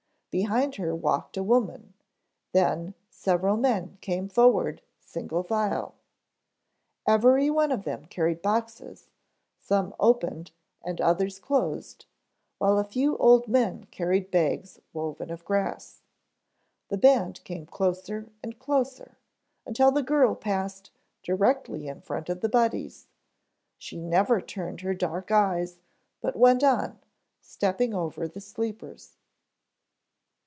Behind her walked a woman, then several men came forward single file. Every one of them carried boxes, some opened and others closed, while a few older men carried bags woven of grass. The band came closer and closer until the girl passed directly in front of the Buddies. She never turned her dark eyes but went on, stepping over the sleepers.